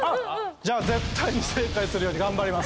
じゃあ絶対に正解するように頑張ります！